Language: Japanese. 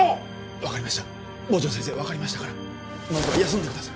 分かりました坊城先生分かりましたからまずは休んでください